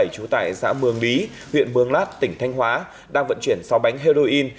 trú tại xã mường lý huyện mường lát tỉnh thanh hóa đang vận chuyển sáu bánh heroin